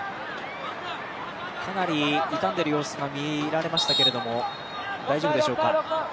かなり痛んでいる様子が見られましたけど大丈夫でしょうか？